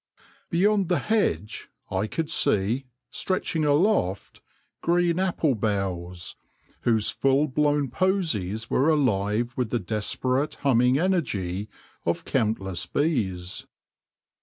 Beyond the hedge I could see, stretching aloft, green apple boughs, whose full blown posies were alive with the desperate humming energy of countless bees.